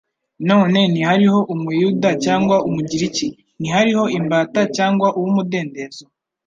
«None ntihariho Umuyuda cyangwa Umugiriki; ntihariho imbata cyangwa uw'umudendezo,